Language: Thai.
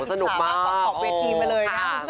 สนุกมาก